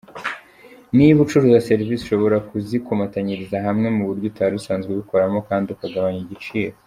Niba ucuruza serivisi, ushobora kuzikomatanyiriza hamwe mu buryo utari usanzwe ubikoramo kandi ukagabanya igiciro.